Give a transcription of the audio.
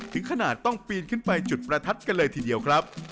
ถึงขนาดต้องปีนขึ้นไปจุดประทัดกันเลยทีเดียวครับ